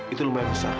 itu lumayan besar